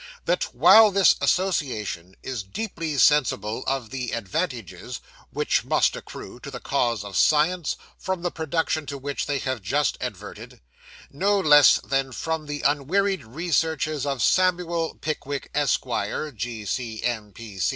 'That while this Association is deeply sensible of the advantages which must accrue to the cause of science, from the production to which they have just adverted no less than from the unwearied researches of Samuel Pickwick, Esq., G.C.M.